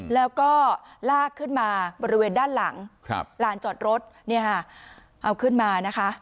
แล้วก็ลากขึ้นมาบริเวณด้านหลังลานจอดรถเอาขึ้นมานะคะ